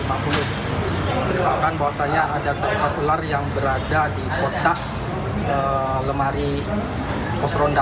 merupakan bahwasanya ada serta ular yang berada di kotak lemari pos ronda